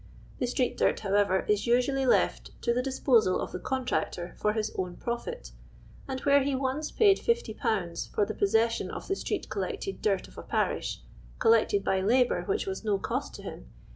The street dirt, however, i^ usn.il;y left to the disposal of the con tra<ti)r, for his own profit, ami where he cme paid r»0/. lor tlie possession of the strret collected dirt of aiHiiish, colli ctod by labour ^\hich was no coit to him.